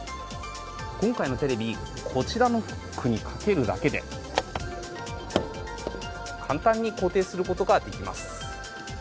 今回のテレビ、こちらのフックにかけるだけで簡単に固定することができます。